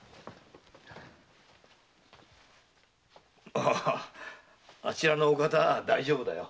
あああちらのお方は大丈夫だよ。